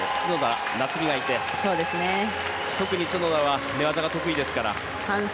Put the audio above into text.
特に角田は寝技が得意ですから。